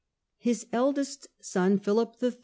His eldest son, Philip III.